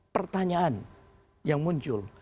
pertanyaan yang muncul